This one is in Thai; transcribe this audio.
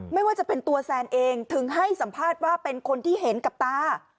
ไม่ว่าจะเป็นตัวแซนเองถึงให้สัมภาษณ์ว่าเป็นคนที่เห็นกับตา